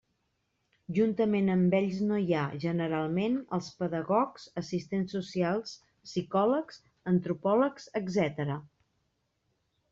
Juntament amb ells no hi ha, generalment, els pedagogs, assistents socials, psicòlegs, antropòlegs, etc.